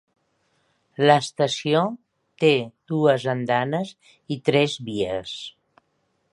L'estació té dues andanes i tres vies.